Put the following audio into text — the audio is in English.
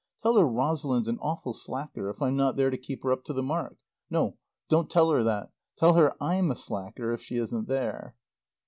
Tell her Rosalind's an awful slacker if I'm not there to keep her up to the mark. No don't tell her that. Tell her I'm a slacker if she isn't there.